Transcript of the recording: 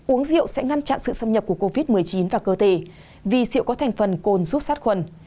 uống rượu sẽ ngăn chặn sự xâm nhập của covid một mươi chín vào cơ thể vì rượu có thành phần côn giúp sát khuẩn